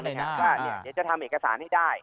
ว่าเดี๋ยวจะทำเอกสารให้ได้